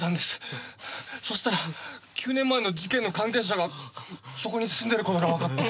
そしたら９年前の事件の関係者がそこに住んでる事がわかって。